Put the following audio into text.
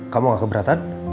kamu gak keberatan